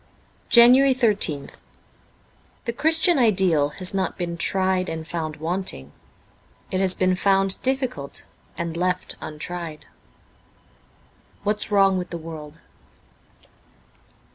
13 JANUARY 13th THE Christian ideal has not been tried and found wanting. It has been found difficult ; and left untried. ' What's Wrong with the World.'